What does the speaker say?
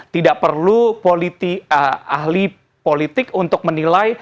tidak perlu ahli politik untuk menilai